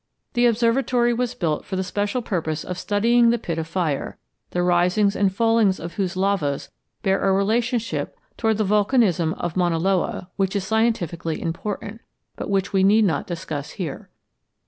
The observatory was built for the special purpose of studying the pit of fire, the risings and fallings of whose lavas bear a relationship toward the volcanism of Mauna Loa which is scientifically important, but which we need not discuss here.